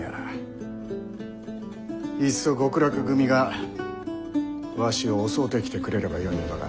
いっそ極楽組がわしを襲うてきてくれればよいのだが。